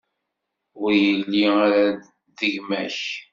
Ur yelli ara d gma-k.